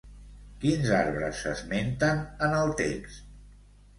Quins arbres s'esmenten en el text?